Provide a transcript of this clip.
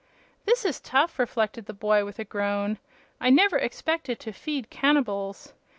"This is tough," reflected the boy, with a groan. "I never expected to feed cannibals.